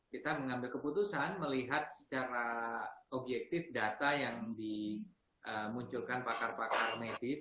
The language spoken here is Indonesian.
kita mengambil keputusan melihat secara objektif data yang dimunculkan pakar pakar medis